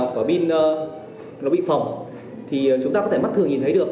của pin nó bị phỏng thì chúng ta có thể mắt thường nhìn thấy được